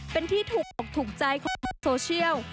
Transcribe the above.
เป็นที่ถูกอกถูกใจของคนในโซเชียล